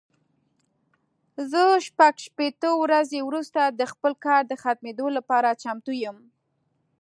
زه شپږ شپېته ورځې وروسته د خپل کار د ختمولو لپاره چمتو یم.